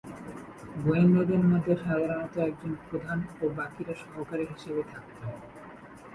গোয়েন্দাদের মধ্যে সাধারণত একজন প্রধান ও বাকীরা সহকারী হিসেবে থাকতো।